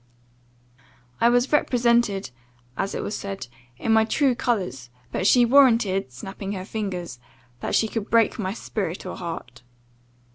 I was represented (as it was said) in my true colours; but she, 'warranted,' snapping her fingers, 'that she should break my spirit or heart.